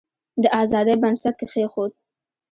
د آزادی بنسټ کښېښود.